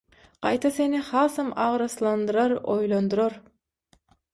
gaýta seni hasam agraslandyrar, oýlandyrar.